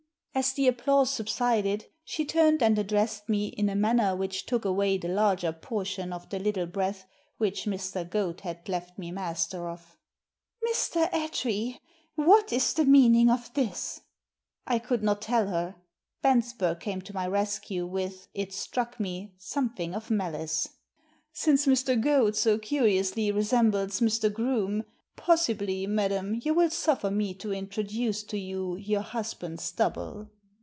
As the applause subsided she turned and addressed me in a manner which took away the larger portion of the little breath which Mr. Goad had left me master of. Digitized by VjOOQIC A DOUBLE MINDED GENTLEMAN 241 " Mr. Attree, what is the meaning of this ?" I could not tell her. Bensberg came to my rescue with, it struck me, something of malice. ^ Since Mr. Goad so curiously resembles Mr. Groome, possibly, madam, you will suffer me to introduce to you your husband's double?"